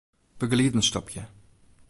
Begelieden stopje.